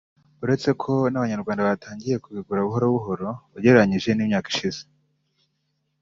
uretse ko n’Abanyarwanda batangiye kubigura buhoro buhoro ugereranyije n’imyaka ishize